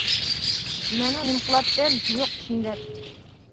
مەنمۇ نېمە قىلاتتىم، يوق ئىشنى دەپ.